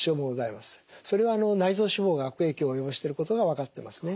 それは内臓脂肪が悪影響を及ぼしていることが分かっていますね。